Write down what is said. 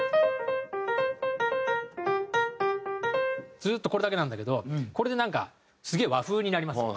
ずっとこれだけなんだけどこれでなんかすげえ和風になりますよね。